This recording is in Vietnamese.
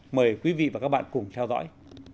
mời quý vị và các bạn cùng theo dõi